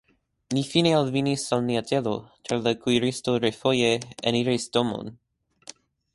Ni fine alvenis al nia celo, ĉar la kuiristo refoje eniris domon.